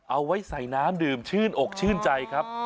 เอาไว้ใส่น้ำดื่มชื่นอกชื่นใจครับ